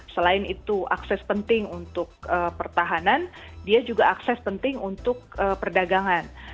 selain itu akses penting untuk pertahanan dia juga akses penting untuk perdagangan